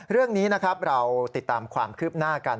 เรื่องนี้นะครับเราติดตามความคืบหน้ากัน